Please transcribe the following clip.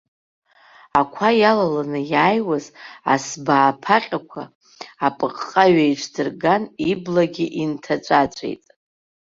Ақәа иаланы иааиуаз асбаа ԥаҟьақәа апыҟҟа ҩеиҿдырган, иблагьы инҭаҵәаҵәеит.